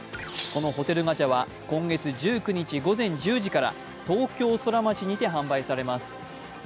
このホテルガチャは今月１９日午前１０時から東京ソラマチにて販売されます。